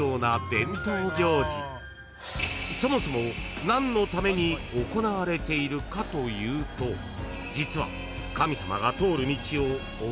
［そもそも何のために行われているかというと実は］